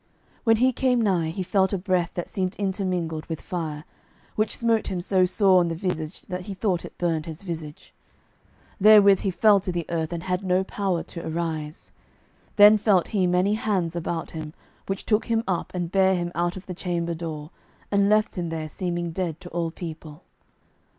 When he came nigh he felt a breath that seemed intermingled with fire, which smote him so sore in the visage that he thought it burned his visage. Therewith he fell to the earth, and had no power to arise. Then felt he many hands about him, which took him up and bare him out of the chamber door, and left him there seeming dead to all people.